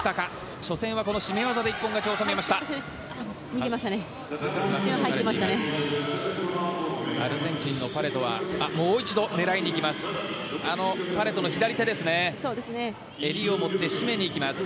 初戦は絞め技で一本勝ちを収めました。